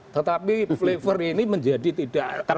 tetapi flavor ini menjadi tidak ter